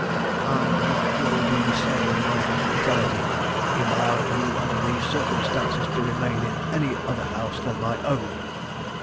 "And what will be said of my hospitality in allowing you under these circumstances to remain in any other house than my own?"